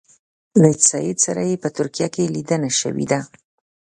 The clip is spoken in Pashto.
له سید سره یې په ترکیه کې لیدنه شوې ده.